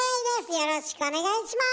よろしくお願いします！